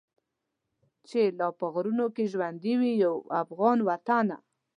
چي لا په غرونو کي ژوندی وي یو افغان وطنه.